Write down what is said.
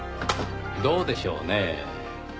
どうでしょうねぇ？